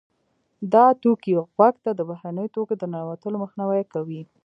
دا توکي غوږ ته د بهرنیو توکو د ننوتلو مخنیوی کوي.